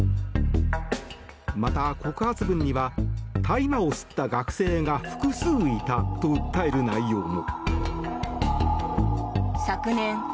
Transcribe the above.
また、告発文には大麻を吸った学生が複数いたと訴える内容も。